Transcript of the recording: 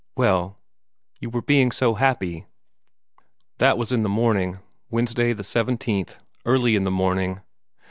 "Well you were being so happy." "That was in the morning Wednesday the seventeenth early in the morning.